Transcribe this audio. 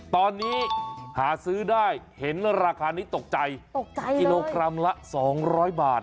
ตอนนี้หาซื้อได้เห็นราคานี้ตกใจตกใจกิโลกรัมละ๒๐๐บาท